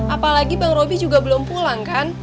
apalagi bang robby juga belum pulang kan